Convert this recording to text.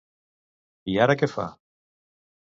I ara què fa?